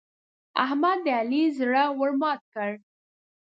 احمد د علي زړه ور مات کړ.